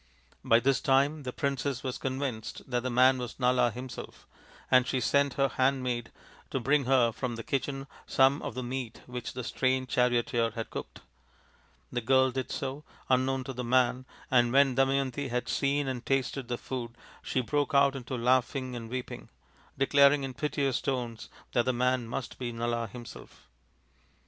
By this time the princess was convinced that the man was Nala himself, and she sent her handmaid to bring her from the kitchen some of the meat which the strange charioteer had cooked. The girl did so, unknown to the man, and when Damayanti had seen and tasted the food she broke out into laughing and weeping, declaring in piteous tones that the man must be Nala himself.